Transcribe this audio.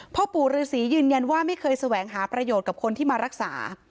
พ่อปู่ฤษียืนยันว่าไม่เคยแสวงหาประโยชน์กับคนที่มารักษา